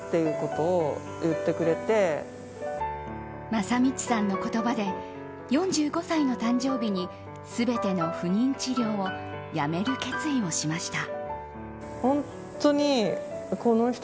雅道さんの言葉で４５歳の誕生日に全ての不妊治療をやめる決意をしました。